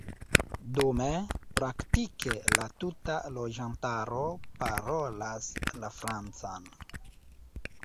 Dume, praktike la tuta loĝantaro parolas la Francan.